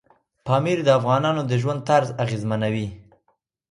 پامیر د افغانانو د ژوند طرز اغېزمنوي.